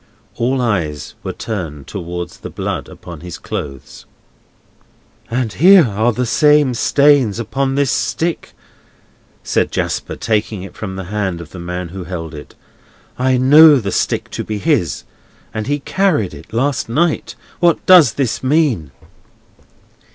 All eyes were turned towards the blood upon his clothes. "And here are the same stains upon this stick!" said Jasper, taking it from the hand of the man who held it. "I know the stick to be his, and he carried it last night. What does this mean?"